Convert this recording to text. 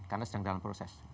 karena sedang dalam proses